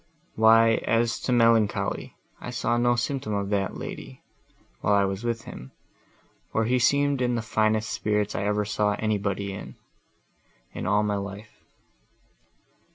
—"Why, as to melancholy, I saw no symptom of that, lady, while I was with him, for he seemed in the finest spirits I ever saw anybody in, in all my life.